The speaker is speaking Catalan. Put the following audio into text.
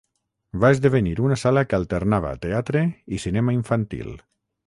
Va esdevenir una sala que alternava teatre i cinema infantil.